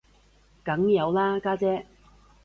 梗有啦家姐